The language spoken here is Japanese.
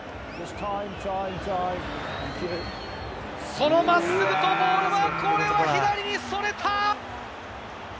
そのまっすぐ飛ぶボールは、これは左にそれた！